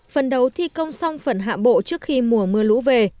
phần đầu thi công xong phần hạ bộ trước khi mùa mưa lũ về